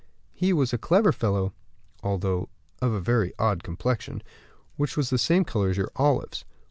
He was a clever fellow, although of a very odd complexion, which was the same color as your olives.